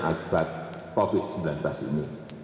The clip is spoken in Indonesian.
akibat covid sembilan belas ini